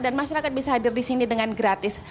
dan masyarakat bisa hadir disini dengan gratis